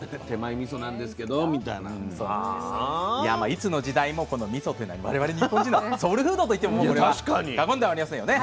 いつの時代もこのみそというのは我々日本人のソウルフードといっても過言ではありませんよね。